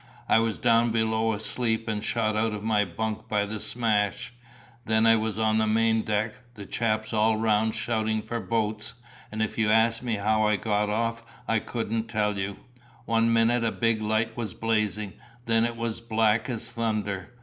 I was down below asleep and shot out of my bunk by the smash; then I was on the main deck, the chaps all round shouting for boats, and if you ask me how I got off I couldn't tell you. One minute a big light was blazing, then it was black as thunder.